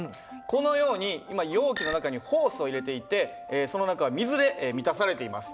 このように今容器の中にホースを入れていてその中は水で満たされています。